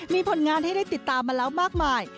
มีผลงานให้ได้ติดตามมาแล้วมากมาย